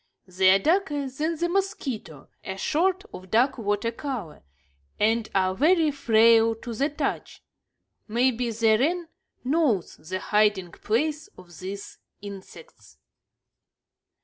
They are darker than the mosquito, a sort of dark water color, and are very frail to the touch. Maybe the wren knows the hiding place of these insects.